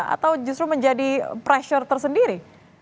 atau justru menjadi pressure tersendiri